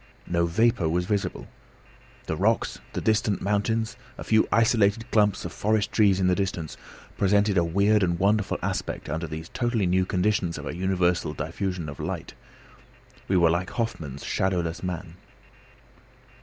No vapour was visible. The rocks, the distant mountains, a few isolated clumps of forest trees in the distance, presented a weird and wonderful aspect under these totally new conditions of a universal diffusion of light. We were like Hoffmann's shadowless man.